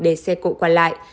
để xe cộ quản lại